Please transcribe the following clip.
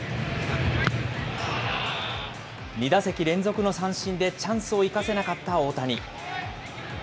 ２打席連続の三振でチャンスを生かせなかった大谷。